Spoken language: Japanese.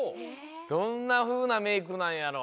どんなふうなメークなんやろ。